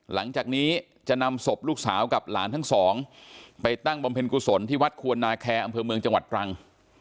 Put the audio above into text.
หลังจากนี้จะนำศพลูกสาวกับหลานทั้งสองไปตั้งบำเพ็ญกุศลที่วัดควรนาแคร์อำเภอเมืองจังหวัดตรัง